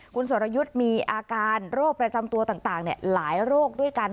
คุณสรยุทธ์มีอาการโรคประจำตัวต่างหลายโรคด้วยกัน